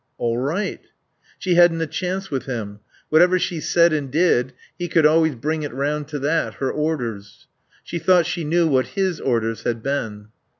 "All right." She hadn't a chance with him. Whatever she said and did he could always bring it round to that, her orders. She thought she knew what his orders had been.